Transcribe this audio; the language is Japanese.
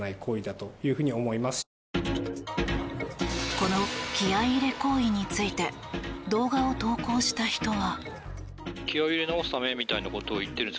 この気合入れ行為について動画を投稿した人は。